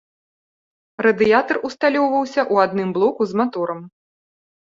Радыятар усталёўваўся ў адным блоку з маторам.